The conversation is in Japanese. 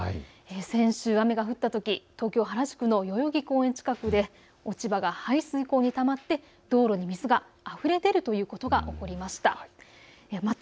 先週、雨が降ったとき東京原宿の代々木公園近くで落ち葉が排水口にたまって道路に水があふれ出るということが起こりました。